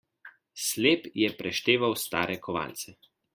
Slep je prešteval stare kovance.